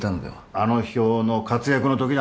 あの表の活躍のときだな。